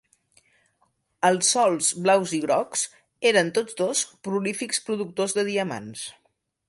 Els sòls blaus i grocs eren tots dos prolífics productors de diamants.